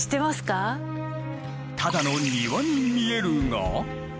ただの庭に見えるが。